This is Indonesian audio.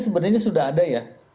sebenarnya sudah ada ya